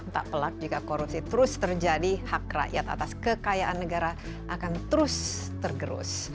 tak pelak jika korupsi terus terjadi hak rakyat atas kekayaan negara akan terus tergerus